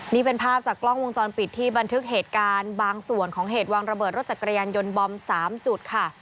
นี่เป็นภาพจากกล้องวงจรปิดที่บันทึกเหตุการณ์บางส่วนของเหตุวางระเบิดรถจักรยานยนต์บอม๓จุดค่ะ